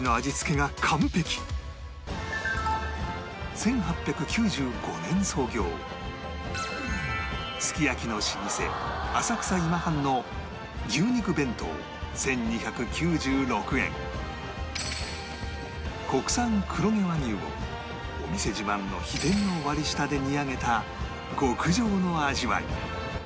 １８９５年創業すき焼きの老舗国産黒毛和牛をお店自慢の秘伝の割り下で煮上げた極上の味わい